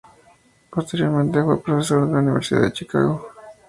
Posteriormente, fue profesor de la Universidad de Chicago.